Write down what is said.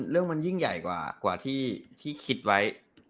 เรื่องมันยิ่งใหญ่กว่าที่คิดไว้